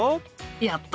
やった！